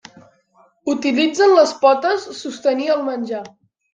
Utilitzen les potes sostenir el menjar.